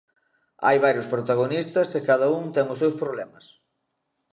Hai varios protagonistas e cada un ten os seus problemas.